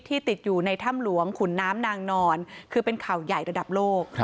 ติดอยู่ในถ้ำหลวงขุนน้ำนางนอนคือเป็นข่าวใหญ่ระดับโลก